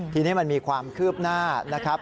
ทีนี้มันมีความคืบหน้านะครับ